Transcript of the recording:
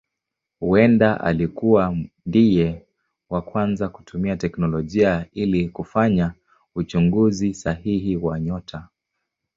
Huenda alikuwa ndiye wa kwanza kutumia teknolojia ili kufanya uchunguzi sahihi wa nyota.